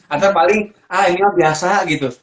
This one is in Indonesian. atau paling ini mah biasa gitu